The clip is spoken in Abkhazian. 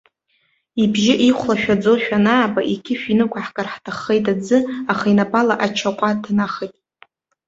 Ибжьы ихәлашәаӡошәа анааба, иқьышә инықәаҳкыр ҳҭаххеит аӡы, аха инапала ачаҟәа днахеит.